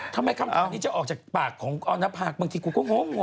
ทำไมคำถามนี้จะออกจากปากของออนภาคบางทีกูก็งง